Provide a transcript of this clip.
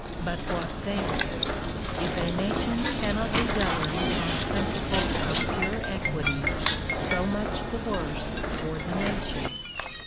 But what then ? If a nation cannot be governed on principles of pure equity, so much the worse for the nation.